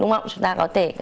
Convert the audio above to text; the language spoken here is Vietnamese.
đúng không chúng ta có thể